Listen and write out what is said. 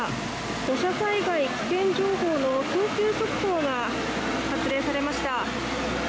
土砂災害危険情報の緊急速報が発令されました。